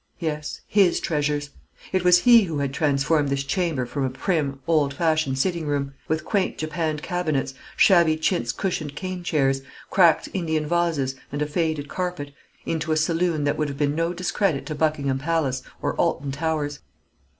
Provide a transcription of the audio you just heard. Yes, his treasures. It was he who had transformed this chamber from a prim, old fashioned sitting room with quaint japanned cabinets, shabby chintz cushioned cane chairs, cracked Indian vases, and a faded carpet into a saloon that would have been no discredit to Buckingham Palace or Alton Towers.